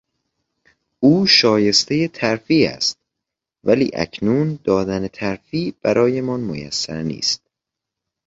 او شایستهی ترفیع استولی اکنون دادن ترفیع برایمان میسر نیست.